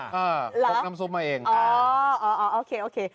เห้ยหรือโปรกน้ำซุปมาเองค่ะโอ้โหโอเคโอเค